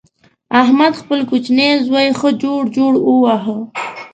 احمد خپل کوچنۍ زوی ښه جوړ جوړ وواهه.